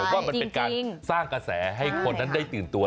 ว่ามันเป็นการสร้างกระแสให้คนนั้นได้ตื่นตัว